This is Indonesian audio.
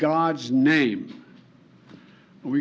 kapan di nama tuhan